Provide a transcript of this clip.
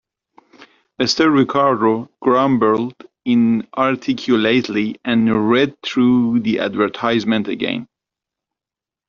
Mr. Ricardo grumbled inarticulately, and read through the advertisement again.